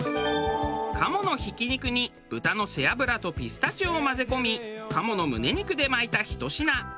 鴨のひき肉に豚の背脂とピスタチオを混ぜ込み鴨のむね肉で巻いたひと品。